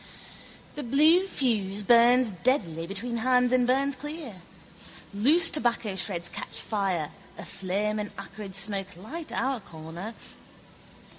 The blue fuse burns deadly between hands and burns clear. Loose tobaccoshreds catch fire: a flame and acrid smoke light our corner.